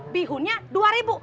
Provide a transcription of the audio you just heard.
bihunnya dua ribu